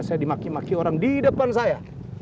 saya dimaki maki orang di depan saya